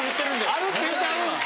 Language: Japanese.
あるって言うてはる！